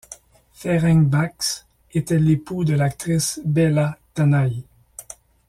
Ferenc Bács était l’époux de l’actrice Bella Tanai.